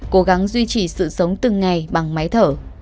cố gắng duy trì sự sống từng ngày bằng máy thở